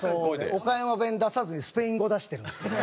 岡山弁出さずにスペイン語出してるんですよね。